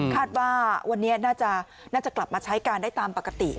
คาดว่าวันนี้น่าจะกลับมาใช้การได้ตามปกติ